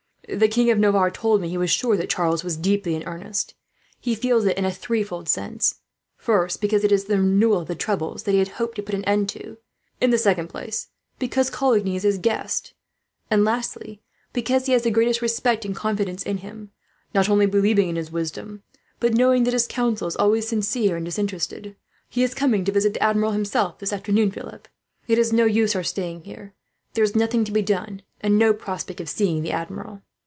The King of Navarre told me he was sure that Charles was deeply in earnest. He feels it in a threefold sense: first, because it is the renewal of the troubles that he had hoped had been put an end to; in the second place, because Coligny is his guest; and lastly, because he has the greatest respect and confidence in him, not only believing in his wisdom, but knowing that his counsel is always sincere and disinterested. "He is coming to visit the Admiral himself, this afternoon, Philip. It is no use our staying here. There is nothing to be done, and no prospect of seeing the Admiral."